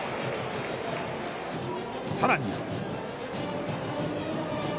さらに。